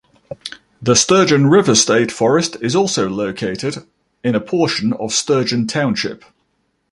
The Sturgeon River State Forest is also located in a portion of Sturgeon Township.